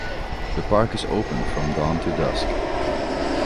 The park is open from dawn to dusk.